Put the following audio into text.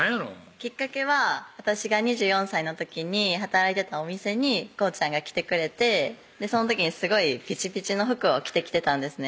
きっかけは私が２４歳の時に働いてたお店にこうちゃんが来てくれてその時にすごいピチピチの服を着てきてたんですね